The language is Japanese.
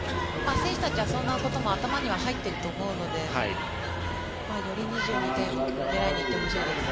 選手たちはそんなことも頭に入っていると思うのでより２２点を狙いに行ってほしいです。